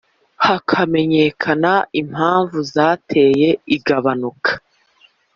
hakamenyekana impamvu zateye igabanuka.